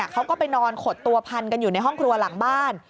เขาก็ไปนอนขดตัวพันกันอยู่ในห้องครัวหลังบ้าน